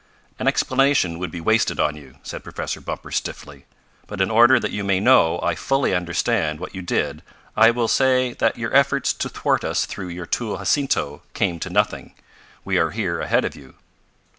"An explanation would be wasted on you," said Professor Bumper stiffly. "But in order that you may know I fully understand what you did I will say that your efforts to thwart us through your tool Jacinto came to nothing. We are here ahead of you."